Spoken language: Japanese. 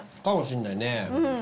かもしんないね。